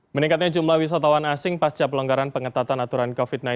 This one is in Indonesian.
meningkatnya jumlah wisatawan asing pasca pelonggaran pengetatan aturan covid sembilan belas